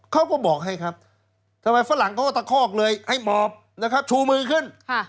เขาก็บอกให้ครับทำไมฝรั่งเขาก็ตะคอกเลยให้หมอบนะครับชูมือขึ้น